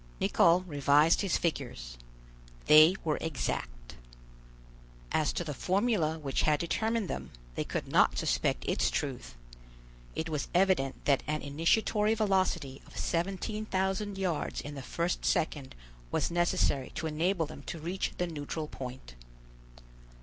Nicholl revised his figures: they were exact. As to the formula which had determined them, they could not suspect its truth; it was evident that an initiatory velocity of seventeen thousand yards in the first second was necessary to enable them to reach the neutral point.